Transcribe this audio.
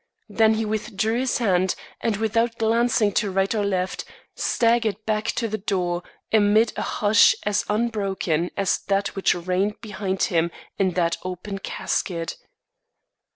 Then he withdrew his hand, and without glancing to right or left, staggered back to the door amid a hush as unbroken as that which reigned behind him in that open casket.